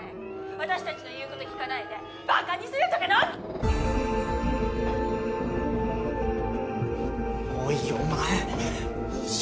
私達の言うこと聞かないでバカにするとかのんきおいお前印象